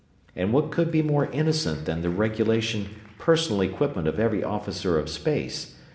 And what could be more innocent than the regulation, personal equipment of every officer of space?